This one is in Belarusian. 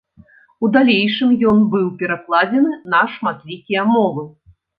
У далейшым ён быў перакладзены на шматлікія мовы.